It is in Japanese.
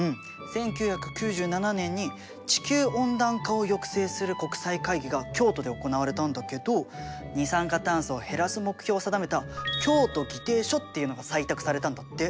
１９９７年に地球温暖化を抑制する国際会議が京都で行われたんだけど二酸化炭素を減らす目標を定めた京都議定書っていうのが採択されたんだって。